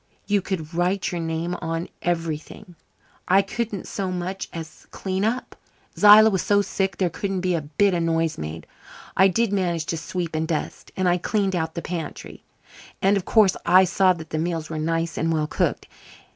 You could write your name on everything. I couldn't so much as clean up. Zillah was so sick there couldn't be a bit of noise made. I did manage to sweep and dust, and I cleaned out the pantry. And, of course, I saw that the meals were nice and well cooked.